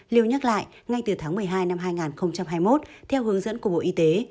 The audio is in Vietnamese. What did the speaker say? lưu nhắc lại ngay từ tháng một mươi hai năm hai nghìn hai mươi một theo hướng dẫn của bộ y tế